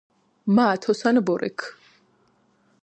მა ათოსან ვორექ